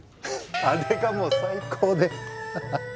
あれがもう最高でははっ。